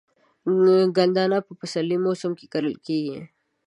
ګندنه په پسرلي موسم کې کرل کیږي.